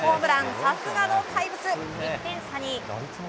さすがの怪物、１点差に。